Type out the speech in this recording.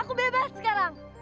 aku bebas sekarang